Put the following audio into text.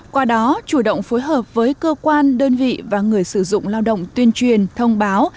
qua đó chủ động phối hợp với cơ quan đơn vị và người sử dụng lao động tuyên truyền thông báo